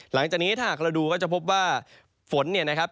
หลังจากนี้ถ้าหากเราดูก็จะพบว่าฝนเนี่ยนะครับ